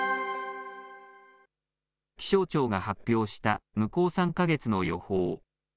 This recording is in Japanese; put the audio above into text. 気象庁が発表した向こう３か月の予報。